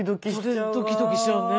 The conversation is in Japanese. それドキドキしちゃうね。